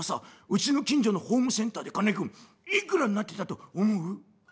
うちの近所のホームセンターで金井君いくらになってたと思う？」。